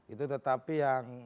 itu tetapi yang